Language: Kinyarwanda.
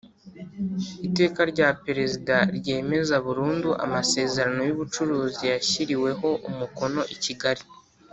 Iteka rya Perezida ryemeza burundu amasezerano yubucuruzi yashyiriweho umukono i Kigali